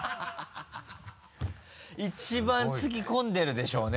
一番つぎ込んでるでしょうね